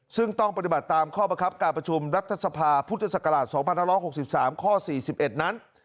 ซึ่งต้องปฏิบัติตามข้อบังคับการประชุมรัฐสภาพุทธศักราช๒๑๖๓ข้อ๔๑นั้น